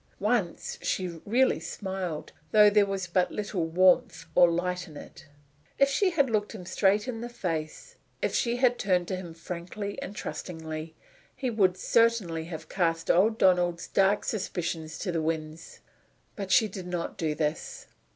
Once she really smiled, though there was but little of warmth or light in it. If she had looked him straight in the face; if she had turned to him frankly and trustingly he would certainly have cast old Donald's dark suspicions to the winds. But she did not do this.